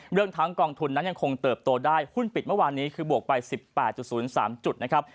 เรื่องทั้งกองทุนนั้นยังคงเติบโตได้หุ้นปิดเมื่อวานนี้คือบวกไป๑๘๐๓จุดนะครับ